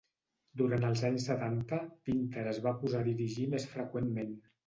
Durant els anys setanta, Pinter es va posar a dirigir més freqüentment.